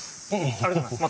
ありがとうございます。